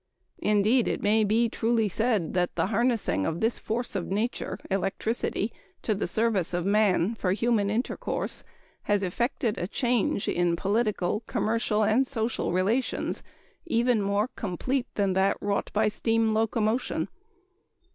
Indeed, it may be truly said that the harnessing of this force of nature (electricity) to the service of man for human intercourse has effected a change in political, commercial, and social relations, even more complete than that wrought by steam locomotion.